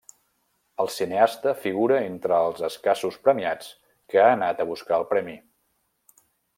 El cineasta figura entre els escassos premiats que ha anat buscar el premi.